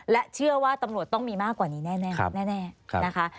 และเชื่อว่าตำรวจต้องมีมากกว่านี้แน่นะคะ